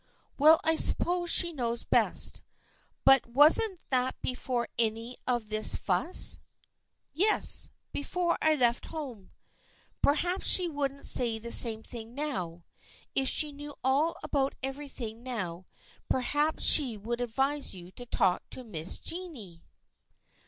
" Well, I suppose she knows best. But wasn't that before any of this fuss ?"" Yes. Before I left home." " Perhaps she wouldn't say the same thing now. If she knew all about everything now perhaps she would advise you to talk to Miss Jennie."